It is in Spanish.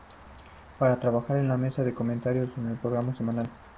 Para trabajar en la mesa de comentarios en los programas semanales.